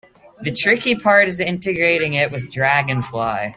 The tricky part is integrating it with Dragonfly.